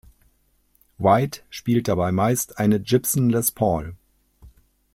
White spielt dabei meist eine Gibson Les Paul.